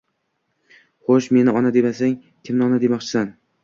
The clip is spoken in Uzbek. Xo'sh, meni ona demasang kimni ona demoqchisan?